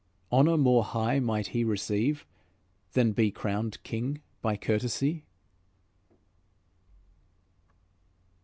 Honour more high might he receive, Than be crowned king by courtesy?"